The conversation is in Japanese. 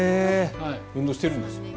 運動しているんです。